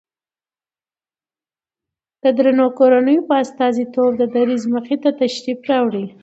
د درنو کورنيو په استازيتوب د دريځ مخې ته تشریف راوړي